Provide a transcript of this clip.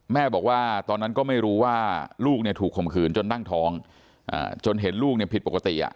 แม่บอกว่าตอนนั้นก็ไม่รู้ว่าลูกถูกข่มขืนจนนั่งท้องจนเห็นลูกผิดปกติ